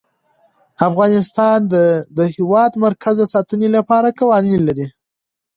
افغانستان د د هېواد مرکز د ساتنې لپاره قوانین لري.